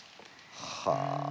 はあ。